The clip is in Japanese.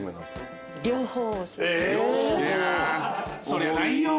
そりゃないよ